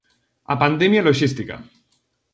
A pandemia loxística.